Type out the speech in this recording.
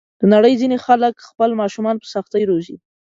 د نړۍ ځینې خلک خپل ماشومان په سختۍ روزي.